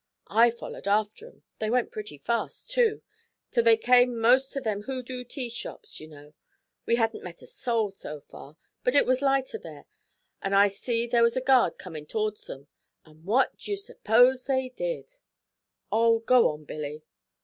I follered after 'em; they went pretty fast, too, till they come most to them Hoodoo tea shops, you know; we hadn't met a soul so far, but it was lighter there, and I see there was a guard comin' to'rds 'em, an' what d' ye s'pose they did?' 'Oh, go on, Billy!'